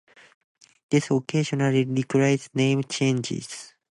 This occasionally required name changes.